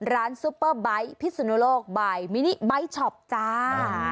ซุปเปอร์ไบท์พิสุนโลกบายมินิไบท์ช็อปจ้า